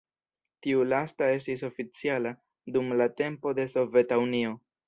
Tiu lasta estis oficiala dum la tempo de Soveta Unio.